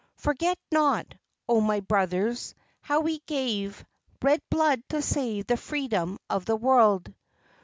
Forget not, O my brothers, how we gave Red blood to save the freedom of the world!